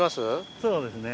そうですね。